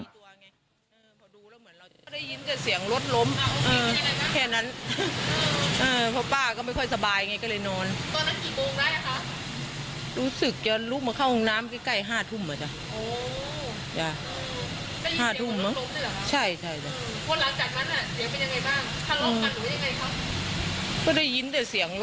ได้ยินกับเสียงรถล้มแค่นั้นพ่อป้าก็ไม่ค่อยสบายไงก็เลยนอน